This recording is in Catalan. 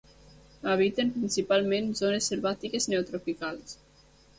Habiten principalment zones selvàtiques neotropicals.